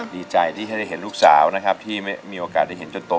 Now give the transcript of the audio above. ดีใจที่ให้ได้เห็นลูกสาวนะครับที่มีโอกาสได้เห็นจนโต